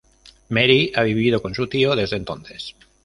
Mary ha vivido con su tío desde entonces.